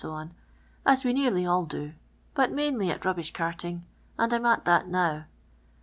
as we nearly all do, but ma'nly at rul'bi>h cartinu, and I "ui ai that now.